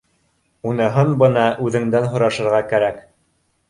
— Уныһын бына үҙеңдән һорашырға кәрәк